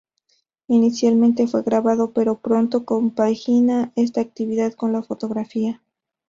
Inicialmente fue grabador pero pronto compagina esta actividad con la fotografía.